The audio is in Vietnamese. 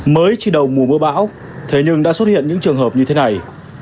mới chỉ đầu mùa mưa bão thế nhưng đã xuất hiện những trường hợp như thế này